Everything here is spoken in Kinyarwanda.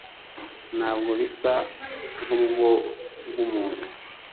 Ntabwo bisa nkurugo rwumuntu